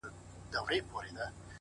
سوچه کاپیر وم چي راتلم تر میخانې پوري ـ